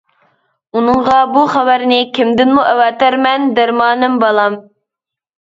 ؟ ئۇنىڭغا بۇ خەۋەرنى كىمدىنمۇ ئەۋەتەرمەن دەرمانىم بالام!